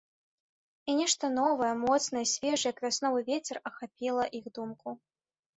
І нешта новае, моцнае, свежае, як вясновы вецер, ахапіла іх думку.